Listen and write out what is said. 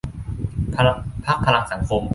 พรรคพลังสังคม